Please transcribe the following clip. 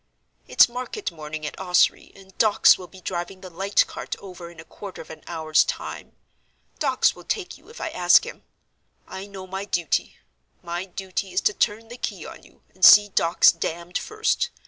It's market morning at Ossory, and Dawkes will be driving the light cart over in a quarter of an hour's time. Dawkes will take you if I ask him. I know my duty—my duty is to turn the key on you, and see Dawkes damned first.